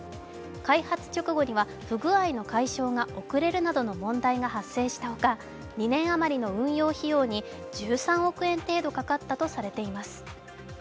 開発直後には不具合の解消が遅れるなどの問題が発生したほか２年あまりの運用費用に１３億円程度かかったとされています。